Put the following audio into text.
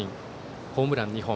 ホームラン２本。